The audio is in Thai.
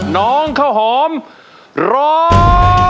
น้องข้าวหอมร้อง